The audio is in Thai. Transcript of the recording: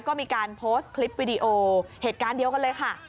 ก็มีการโพสต์คลิปวิดีโอเหตุการณ์เดียวกันเลยค่ะ